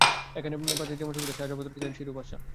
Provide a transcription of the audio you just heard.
এখানে প্রচারের যেমন সুবিধা, সাহায্যপ্রাপ্তিরও সেইরূপ আশা।